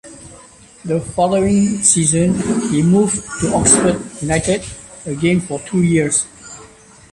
The following season, he moved to Oxford United - again for two years.